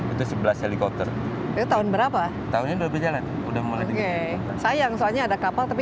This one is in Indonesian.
itu sebelas helikopter itu tahun berapa tahun ini udah berjalan udah mulai sayang soalnya ada kapal tapi